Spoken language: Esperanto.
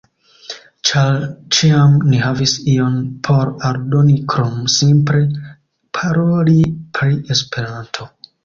Ĉar ĉiam ni havis ion por aldoni krom simple paroli pri Esperanto.